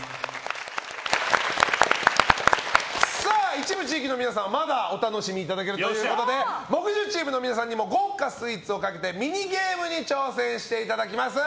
一部地域の皆さんは、まだお楽しみいただけるということで木１０チームの皆さんにも豪華スイーツをかけてミニゲームに挑戦していただきます。